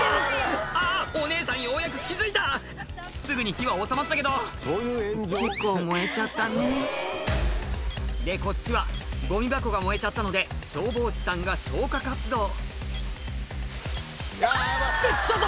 あぁお姉さんようやく気付いたすぐに火は収まったけど結構燃えちゃったねでこっちはゴミ箱が燃えちゃったので消防士さんが消火活動ってちょっと！